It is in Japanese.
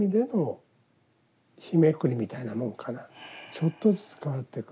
ちょっとずつ変わってく。